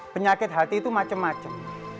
penyakit hati itu macem macem